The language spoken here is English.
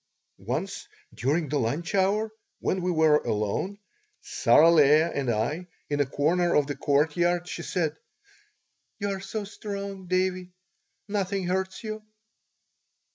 Once during the lunch hour, when we were alone, Sarah Leah and I, in a corner of the courtyard, she said: "You are so strong, Davie! Nothing hurts you."